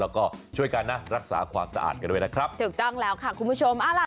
แล้วก็ช่วยกันนะรักษาความสะอาดกันด้วยนะครับถูกต้องแล้วค่ะคุณผู้ชมเอาล่ะ